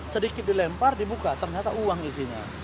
sedikit dilempar dibuka ternyata uang isinya